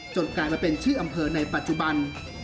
กลายมาเป็นชื่ออำเภอในปัจจุบัน